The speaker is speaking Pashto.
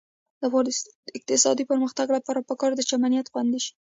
د افغانستان د اقتصادي پرمختګ لپاره پکار ده چې امنیت خوندي شي.